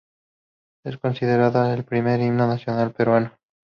Es considerada el primer himno nacional peruano.